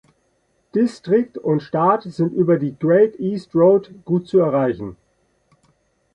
Distrikt und Stadt sind über die "Great East Road" gut zu erreichen.